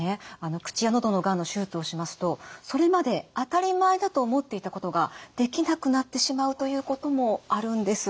口や喉のがんの手術をしますとそれまで当たり前だと思っていたことができなくなってしまうということもあるんです。